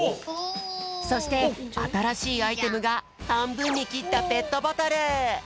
そしてあたらしいアイテムがはんぶんにきったペットボトル！